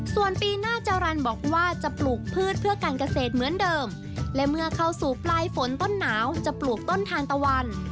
ส่วนปีหน้าจารันบอกว่าจะปลูกพืชเพื่อการเกษตรเหมือนเดิมและเมื่อเข้าสู่ปลายฝนต้นหนาวจะปลูกต้นทานตะวัน